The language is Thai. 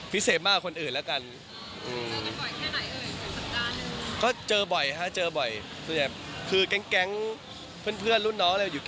ผมไม่เจ้าชู้